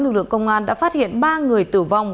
lực lượng công an đã phát hiện ba người tử vong